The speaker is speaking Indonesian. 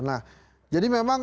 nah jadi memang